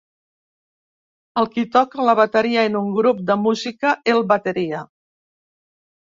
El qui toca la bateria en un grup de música, el bateria.